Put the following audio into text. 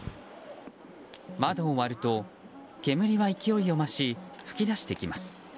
窓を割ると煙は勢いを増し噴き出してきます。